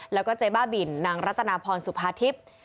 และเจ๊บ้าบิลนางรัฐนพรสุพธิบ